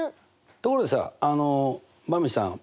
ところでさばんびさん。